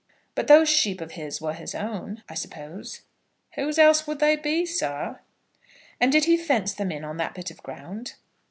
"But these sheep of his were his own, I suppose?" "Whose else would they be, sir?" "And did he fence them in on that bit of ground?"